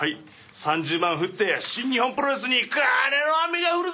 ３０万降って新日本プロレスに金の雨が降るぞ。